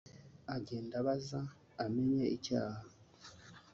agenda abaza abemeye icyaha